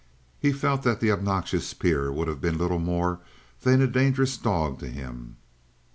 He felt that the obnoxious peer would have been little more than a dangerous dog to him.